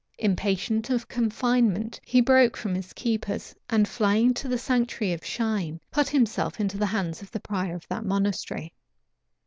Impatient of confinement, he broke from his keepers, and flying to the sanctuary of Shyne, put himself into the hands of the prior of that monastery.